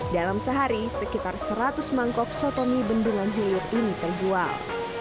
dalam sehari sekitar seratus mangkok sotomi bendungan hilir ini terjual